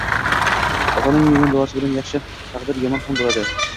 Ota-onaning yomon duosi bilan yaxshi taqdir yomon ham bo‘ladi